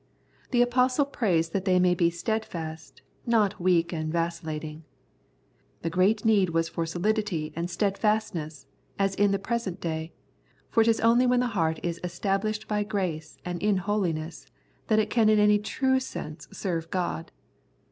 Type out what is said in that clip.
The Apostle prays that they may be steadfast, not weak and vacillating. The great need was for solidity and steadfastness, as it is in the present day, for it is only when the heart is established by grace and in holiness that it can in any true sense serve God.